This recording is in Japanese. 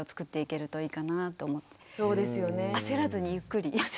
焦らずにゆっくり。